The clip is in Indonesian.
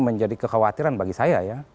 menjadi kekhawatiran bagi saya